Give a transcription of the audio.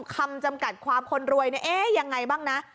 คำจำกัดความคนรวยเนี่ยเอ๊ะยังไงบ้างนะ